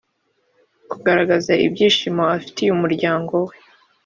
-kugaragaza ibyishimo afitiye umuryango we